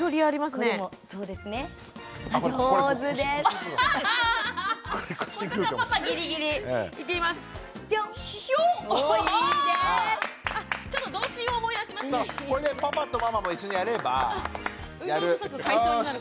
これでパパとママも一緒にやればやる。